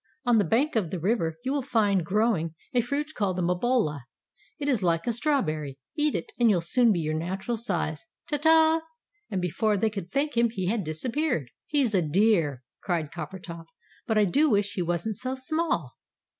On the bank of the river you will find growing a fruit called the mabola. It is like a strawberry. Eat it, and you'll soon be your natural size. Ta ta!" And before they could thank him he had disappeared. "He's a dear!" cried Coppertop. "But I do wish he wasn't so small."